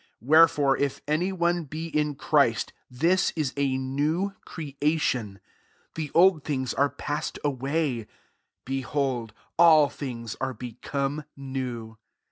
17 A^herefore if any one de in Christ, this is a new creation : he old things are passed away ; lehold, [all things] are become lew.